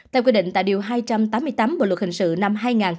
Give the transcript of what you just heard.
theo quy định tại điều hai trăm tám mươi tám bộ luật hình sự năm hai nghìn một mươi năm